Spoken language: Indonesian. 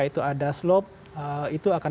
itu ada slop itu akan